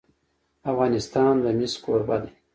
افغانستان د مس کوربه دی.